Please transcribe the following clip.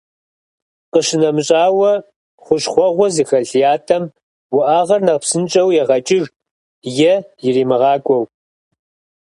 Къищынэмыщӏауэ, хущхъуэгъуэ зыхэлъ ятӏэм уӏэгъэр нэхъ псынщӏэу егъэкӏыж, е иримыгъакӏуэу.